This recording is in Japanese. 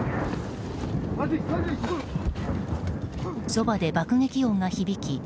そばで爆撃音が響き